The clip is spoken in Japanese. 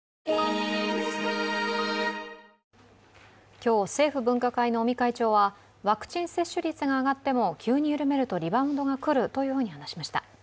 今日、政府分科会の尾身会長はワクチン接種率が上がっても急に緩めるとリバウンドがくると話しました。